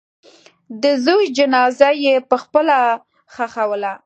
د زوی جنازه یې پخپله ښخوله.